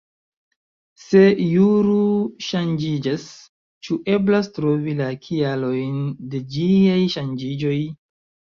Se juro ŝanĝiĝas, ĉu eblas trovi la kialojn de ĝiaj ŝanĝiĝoj?